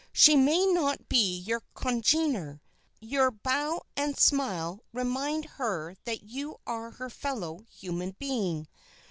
She may not be your congener. Your bow and smile remind her that you are her fellow human being.